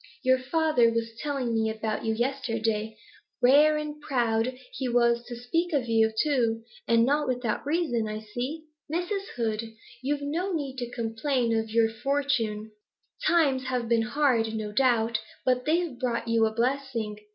Your good father was telling me about you yesterday; rare and proud he was to speak of you, too, and not without reason, I see. Mrs. Hoed, you've no need to complain of your for tune. Times have been hard, no doubt, but they've brought you a blessing.